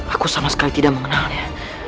aku sama sekali tidak mengenalnya